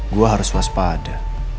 gue harus waspada